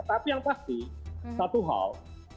tapi yang pasti satu hal